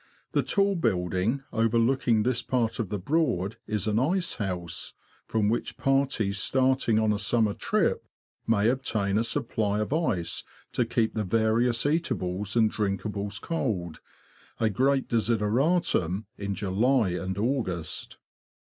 The tall building overlooking this part of the Broad is an ice house, from which parties starting on a summer trip may obtain a supply of ice to keep the various eatables and drinkables cold — a great desideratum in July and August.